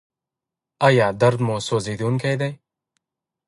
ایا درد مو سوځونکی دی؟